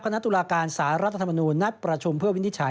ตุลาการสารรัฐธรรมนูญนัดประชุมเพื่อวินิจฉัย